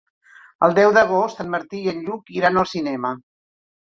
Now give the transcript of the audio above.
El deu d'agost en Martí i en Lluc iran al cinema.